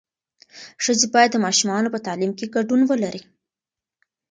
ښځې باید د ماشومانو په تعلیم کې ګډون ولري.